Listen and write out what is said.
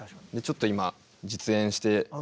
ちょっと今実演してみると。